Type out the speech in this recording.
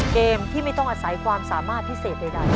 เกมที่ไม่ต้องอาศัยความสามารถพิเศษใด